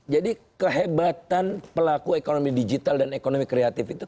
jadi kehebatan pelaku ekonomi digital dan ekonomi kreatif itu